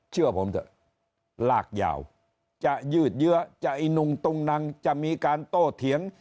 เชื่อผมเถอะลากยาวจะยืดเยื้อจะอีนุงตุงนังจะมีการโต้เถียง